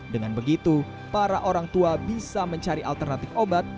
dengan begitu para orang tua bisa mencari alternatif obat